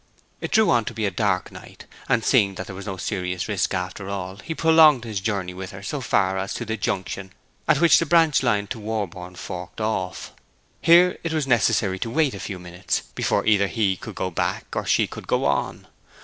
It drew on to be a dark night, and, seeing that there was no serious risk after all, he prolonged his journey with her so far as to the junction at which the branch line to Warborne forked off. Here it was necessary to wait a few minutes, before either he could go back or she could go on.